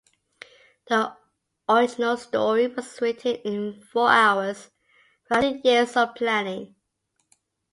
The original story was written in four hours, but after years of planning.